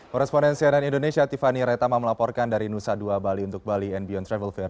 koresponden cnn indonesia tiffany retama melaporkan dari nusa dua bali untuk bali and beyond travel fair dua ribu delapan belas